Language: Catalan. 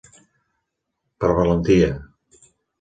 per valentia.